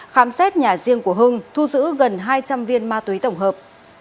khám xét nhà riêng của hưng thu giữ gần hai trăm linh viên ma túy tổng hợp